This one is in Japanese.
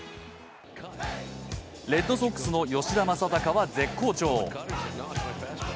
レッドソックスの吉田正尚は絶好調。